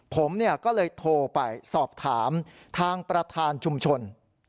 ผมก็เลยโทรไปสอบถามทางประธานชุมชน